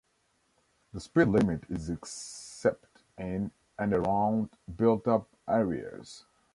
The speed limit is except in and around built up areas.